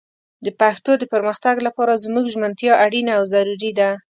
د پښتو د پرمختګ لپاره زموږ ژمنتيا اړينه او ضروري ده